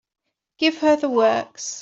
Give her the works.